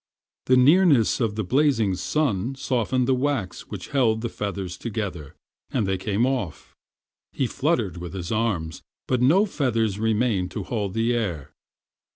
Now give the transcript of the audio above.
The nearness of the blazing sun softened the wax which held the feathers together, and they came off. He fluttered with his arms, but no feathers remained to hold the air.